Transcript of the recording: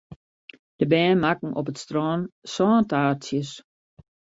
De bern makken op it strân sântaartsjes.